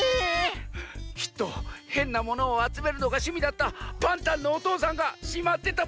きっとへんなものをあつめるのがしゅみだったパンタンのおとうさんがしまってたものざんす！